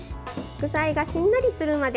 具材がしんなりするまで。